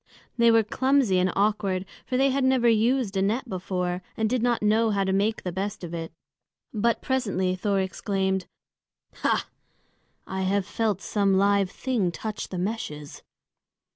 They were clumsy and awkward, for they had never used a net before, and did not know how to make the best of it. But presently Thor exclaimed, "Ha! I felt some live thing touch the meshes!"